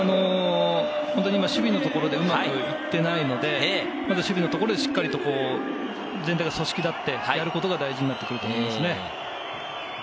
守備のところでうまくいっていないので、守備のところで、しっかりと全体が組織だってやることが大事になってくると思いますね。